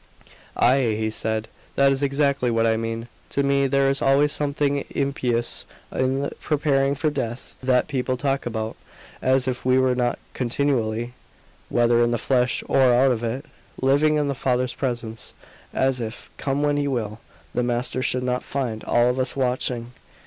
"Ay," he said, "that is exactly what I mean. To me there is always something impious in the 'preparing for death' that people talk about; as if we were not continually, whether in the flesh or out of it, living in the Father's presence; as if, come when He will, the Master should not find all of us watching?